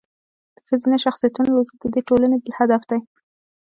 د ښځینه شخصیتونو روزل د دې ټولنې بل هدف دی.